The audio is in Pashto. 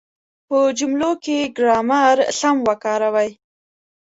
په جملو کې ګرامر سم وکاروئ.